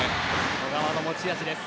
小川の持ち味です。